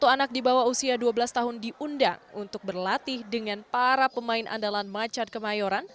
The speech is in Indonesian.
satu anak di bawah usia dua belas tahun diundang untuk berlatih dengan para pemain andalan macan kemayoran